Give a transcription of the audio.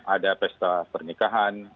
ada pesta pernikahan